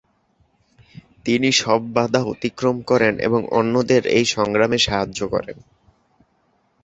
তিনি সব বাধা অতিক্রম করেন এবং অন্যদের এই সংগ্রামে সাহায্য করেন।